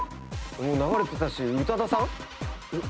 もう流れてたし宇多田さん？